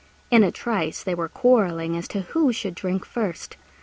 In a trice they were quarrelling as to who should drink first.